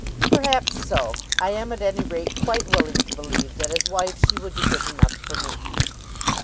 "Perhaps so. I am at any rate quite willing to believe that as wife she would be 'good enough for me.'"